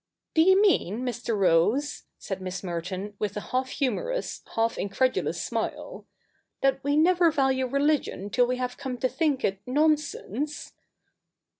^ Do you mean, Mr. Rose,' said Miss Merton, with a half humorous, half incredulous smile, ' that we never value religion till we have come to think it nonsense